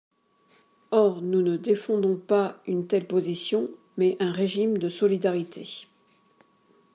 Or nous ne défendons pas une telle position, mais un régime de solidarité.